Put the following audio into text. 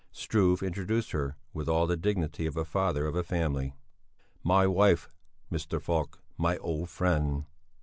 Struve introduced her with all the dignity of a father of a family: "My wife, Mr. Falk, my old friend."